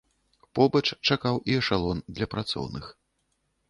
Побач чакаў і эшалон для працоўных.